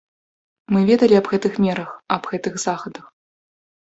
Мы ведалі аб гэтых мерах, аб гэтых захадах.